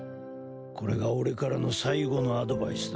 これが俺からの最後のアドバイスだ。